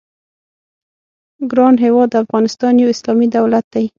ګران هېواد افغانستان یو اسلامي دولت دی.